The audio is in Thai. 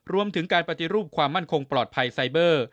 รวมถึงการปฏิรูปความมั่นคงปลอดภัยไซเบอร์